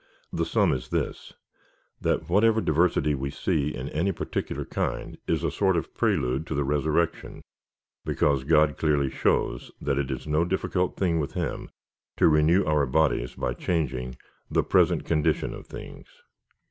The sum is this — that whatever diversity we see in any particular kind is a sort of prelude of the resurrection, because God clearly shows, that it is no difficult thing with him to renew our bodies by changing the present condition of things.